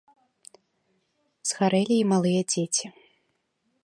Згарэлі і малыя дзеці.